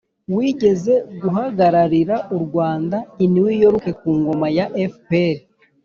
wigeze guhagararira u rwanda i new york ku ngoma ya fpr.